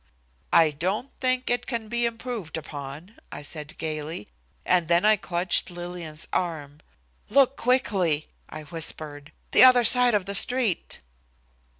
"I don't think it can be improved upon," I said, gayly, and then I clutched Lillian's arm. "Look quickly," I whispered, "the other side of the street!"